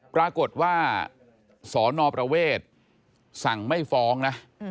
ปรากฏว่าสนประเวทสั่งไม่ฟ้องนะ